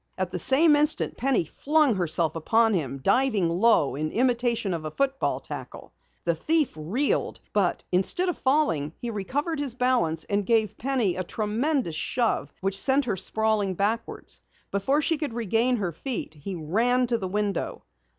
At the same instant Penny flung herself upon him, diving low in imitation of a football tackle. The thief reeled, but instead of falling he recovered his balance and gave Penny a tremendous shove which sent her sprawling backwards. Before she could regain her feet, he ran to the window.